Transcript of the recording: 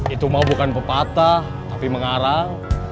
itu mau bukan pepatah tapi mengarang